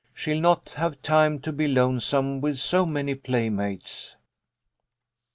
She'll not have time to be lonesome with so many playmates."